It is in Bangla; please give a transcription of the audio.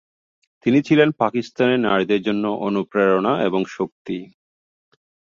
তিনি ছিলেন পাকিস্তানের নারীদের জন্য অনুপ্রেরণা এবং শক্তি।